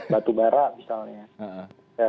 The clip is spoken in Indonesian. batu bara misalnya